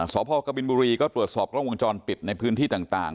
สพกบินบุรีก็ตรวจสอบกล้องวงจรปิดในพื้นที่ต่าง